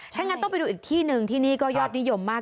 ถ้างั้นต้องไปดูอีกที่หนึ่งที่นี่ก็ยอดนิยมมาก